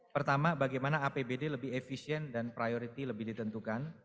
pertama bagaimana apbd lebih efisien dan priority lebih ditentukan